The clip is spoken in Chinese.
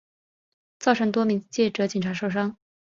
造成多名记者警察受伤